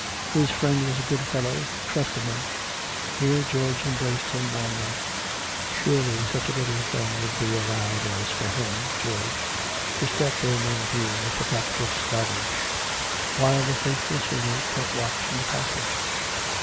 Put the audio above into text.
His friend was a good fellow who trusted him (here George embraced him warmly). Surely such a little thing would be allowed as for him, George, to step in and view Mr. Topcliffe's bag gage, while the faithful servant kept watch in the passage